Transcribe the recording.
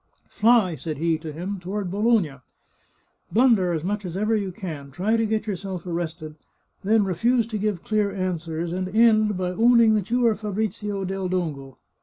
" Fly," said he to him, " toward Bologna ! Blunder as much as ever you can, try to get yourself arrested, then re fuse to give clear answers, and end by owning that you are Fabrizio del Dongo.